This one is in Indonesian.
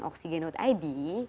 seluruh jaringan oksigen id